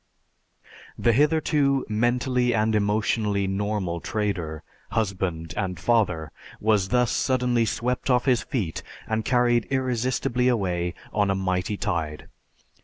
The hitherto mentally and emotionally normal trader, husband, and father was thus suddenly swept off his feet and carried irresistibly away on a mighty tide.